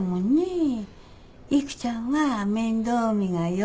育ちゃんは面倒見がよ